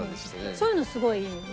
そういうのすごいいいよね。